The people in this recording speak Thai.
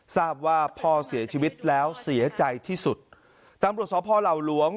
ทราบว่าพ่อเสียชีวิตแล้วเสียใจที่สุดตำรวจสพเหล่าหลวง